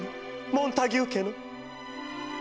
モンタギュー家の」。